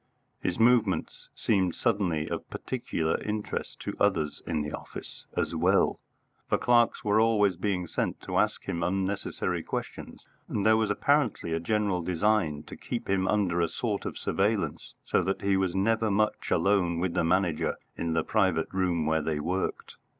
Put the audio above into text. His movements seemed suddenly of particular interest to others in the office as well, for clerks were always being sent to ask him unnecessary questions, and there was apparently a general design to keep him under a sort of surveillance, so that he was never much alone with the Manager in the private room where they worked.